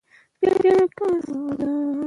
وکيټ کیپر د وکيټو شاته درېږي.